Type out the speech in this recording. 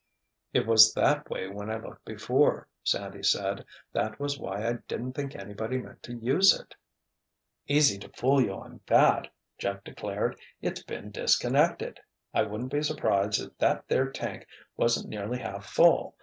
"It was that way when I looked before," Sandy said. "That was why I didn't think anybody meant to use it——" "Easy to fool you on that," Jeff declared. "It's been disconnected. I wouldn't be surprised if that there tank wasn't nearly half full.